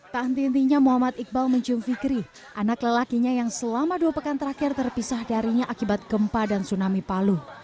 tak henti hentinya muhammad iqbal mencium fikri anak lelakinya yang selama dua pekan terakhir terpisah darinya akibat gempa dan tsunami palu